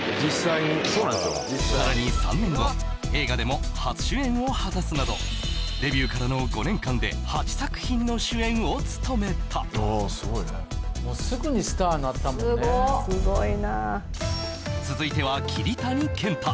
さらに３年後映画でも初主演を果たすなどデビューからの５年間で８作品の主演を務めたすごっすごいな続いては桐谷健太